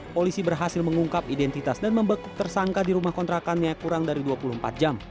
polisi berhasil mengungkap identitas dan membekuk tersangka di rumah kontrakannya kurang dari dua puluh empat jam